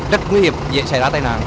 rất nguy hiểm dễ xảy ra tai nạn